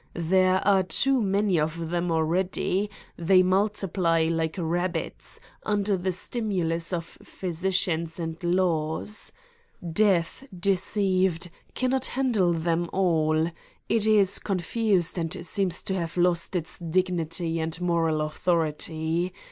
There are too many of them, already. They multiply like rabbits, under the stimulus of physicians and laws. Death, deceived, cannot handle them all. It is confused and seems to have lost its dignity and moral authority.